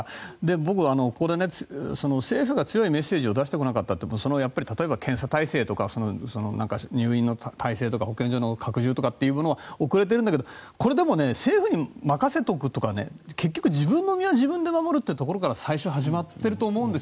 僕、政府が強いメッセージを出してこなかったって例えば、検査体制とか入院の体制とか保健所のの拡充というものが遅れているんだけど政府に任せておくということは結局、自分の身は自分で守るというところから始まっていると思うんです。